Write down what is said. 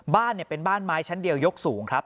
บ้านเป็นบ้านไม้ชั้นเดียวยกสูงครับ